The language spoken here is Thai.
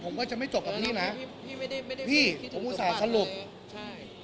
ผมก็จะไม่จบกับพี่นะพี่ไม่ได้คิดถึงบ้านเลยพี่ผมอุตส่าห์สรุปใช่